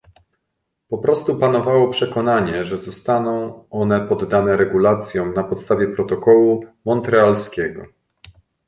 Po prostu panowało przekonanie, że zostaną one poddane regulacjom na podstawie protokołu montrealskiego